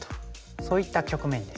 そういった局面ですね。